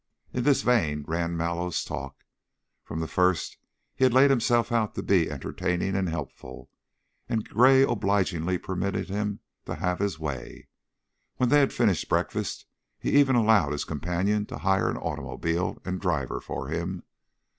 In this vein ran Mallow's talk. From the first he had laid himself out to be entertaining and helpful, and Gray obligingly permitted him to have his way. When they had finished breakfast, he even allowed his companion to hire an automobile and driver for him.